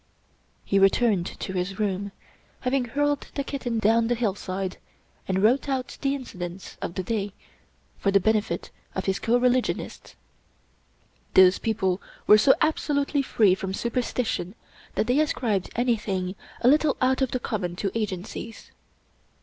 He returned to his room, having hurled the kit ten down the hillside, and wrote out the incidents of the day for the benefit of his coreligionists. Those people were so absolutely free from superstition that they ascribed any thing a little out of the common to agencies.